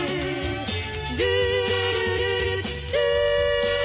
「ルールルルルルー」